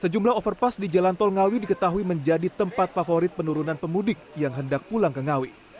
sejumlah overpass di jalan tol ngawi diketahui menjadi tempat favorit penurunan pemudik yang hendak pulang ke ngawi